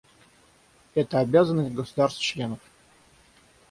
Это обязанность государств-членов.